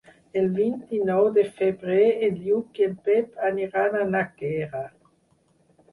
El vint-i-nou de febrer en Lluc i en Pep aniran a Nàquera.